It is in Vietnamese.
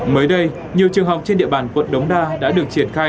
mới đây nhiều trường học trên địa bàn quận đống đa đã được triển khai